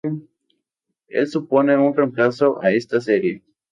El supone un reemplazo a esta serie.